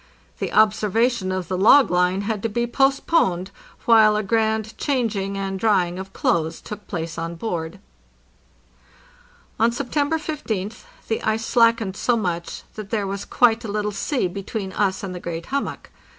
The observation of the log line had to be post poned, while a grand changing and drying of clothes took place on board. On September 15th the ice slackened so much that there was quite a little sea between us and the great hummock.